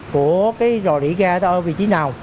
của cái rò rỉ ga đó ở vị trí nào